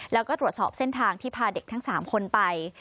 แล้วก็ตรวจสอบเส้นทางที่พาเด็กทั้ง๓คนไป